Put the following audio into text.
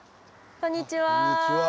こんにちは。